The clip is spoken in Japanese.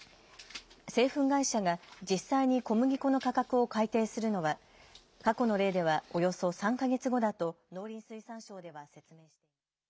製粉会社が実際に小麦粉の価格を改定するのは、過去の例ではおよそ３か月後だと農林水産省では説明しています。